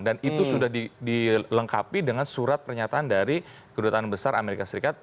dan itu sudah dilengkapi dengan surat pernyataan dari kedudukan besar amerika serikat